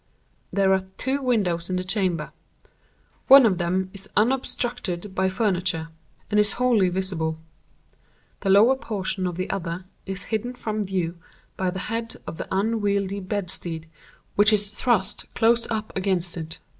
"There are two windows in the chamber. One of them is unobstructed by furniture, and is wholly visible. The lower portion of the other is hidden from view by the head of the unwieldy bedstead which is thrust close up against it.